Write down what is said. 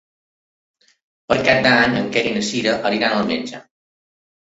Per Cap d'Any en Quer i na Cira aniran al metge.